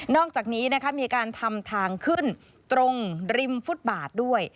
อกจากนี้นะคะมีการทำทางขึ้นตรงริมฟุตบาทด้วย